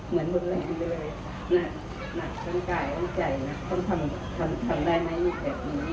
เหมือนบนแหลงเลยหนักต้นกายต้นใจนะต้องทำได้ไหมอยู่แบบนี้